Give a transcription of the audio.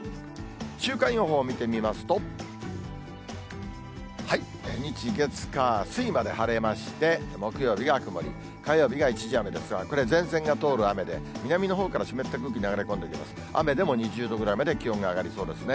週間予報見てみますと、日、月、火、水まで晴れまして、木曜日が曇り、火曜日が一時雨ですが、これ、前線が通る雨で、南のほうから湿った空気、流れ込んできます、雨でも２０度ぐらいまで気温が上がりそうですね。